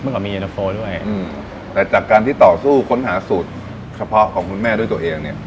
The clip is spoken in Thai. ก่อนมีเย็นตะโฟด้วยแต่จากการที่ต่อสู้ค้นหาสูตรเฉพาะของคุณแม่ด้วยตัวเองเนี่ย